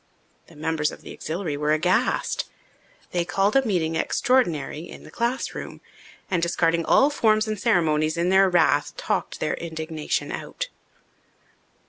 The members of the Auxiliary were aghast. They called a meeting extraordinary in the classroom and, discarding all forms and ceremonies in their wrath, talked their indignation out.